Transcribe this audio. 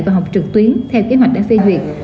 và học trực tuyến theo kế hoạch đã phê duyệt